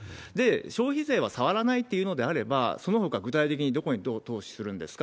消費税は触らないっていうのであれば、そのほか、具体的にどこにどう投資するんですか？